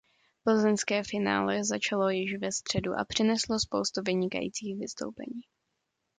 Plzeňské finále začalo již ve středu a přineslo spoustu vynikajících vystoupení.